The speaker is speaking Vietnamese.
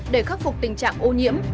để khắc phục tình trạng ô nhiễm